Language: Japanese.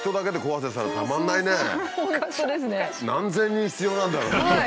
何千人必要なんだろう。